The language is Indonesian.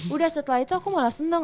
udah setelah itu aku malah seneng